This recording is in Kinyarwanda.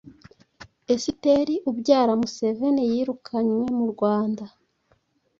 Esiteri ubyara Museveni yirukanywe mu Rwanda